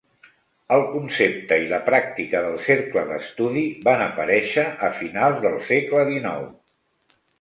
El concepte i la pràctica del cercle d'estudi van aparèixer a finals del segle XIX.